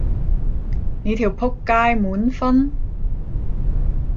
你條僕街滿分？